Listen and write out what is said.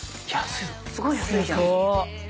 すごい安いじゃん。